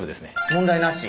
問題なし？